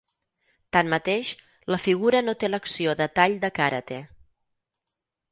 Tanmateix, la figura no té l'acció de tall de karate.